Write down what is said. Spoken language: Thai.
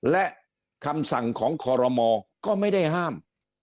และคำสั่งของคอรมอก็ไม่ได้ห้าม